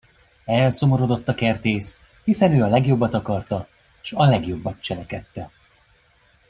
Elszomorodott a kertész, hiszen ő a legjobbat akarta, s a legjobbat cselekedte.